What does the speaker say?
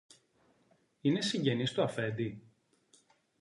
Είναι συγγενής του αφέντη;